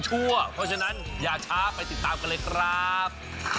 เพราะฉะนั้นอย่าช้าไปติดตามกันเลยครับ